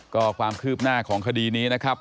ก็ความคืบหน้าของคดีนี้นะครับ